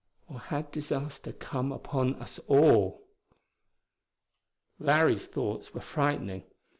Or had disaster come upon us all?... Larry's thoughts were frightening.